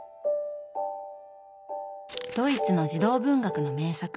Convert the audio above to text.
ドイツの児童文学の名作